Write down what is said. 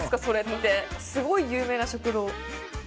それってすごい有名な食堂